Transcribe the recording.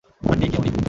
Aunty, কে উনি?